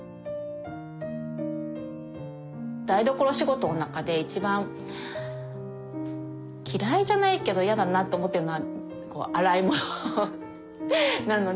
台所仕事の中で一番嫌いじゃないけどやだなと思ってるのは洗い物なので。